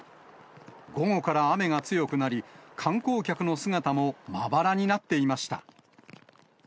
午後から雨が強くなり、観光客の姿もまばらになっていました。